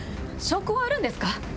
証拠はあるんですか？